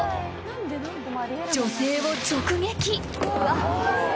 ［女性を直撃］